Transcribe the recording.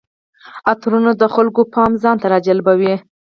عطرونه د خلکو پام ځان ته راجلبوي.